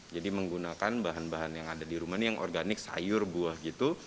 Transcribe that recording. jadi menggunakan bahan bahan yang ada di rumah ini yang organik sayur buah gitu